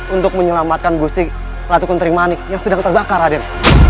untuk menyelamatkan gusti latukun trimanik yang sedang terbakar raden